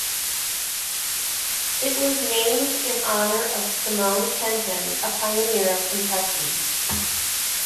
It was named in honor of Simon Kenton, a pioneer of Kentucky.